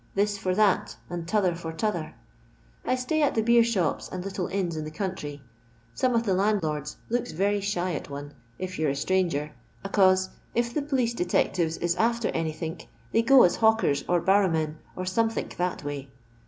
This for that, and t'other for t'other. I stay at the beer shops and little inns in the country. Some of the landlords looks very shy at one, if you 're a stranger, acausc, if the police detectives is after anythink, they go as hawkera, or barrowmen, or sumethink that way."